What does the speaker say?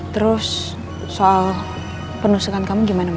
terus soal penusukan kamu gimana